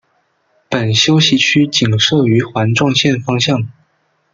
本休息区仅设于环状线方向。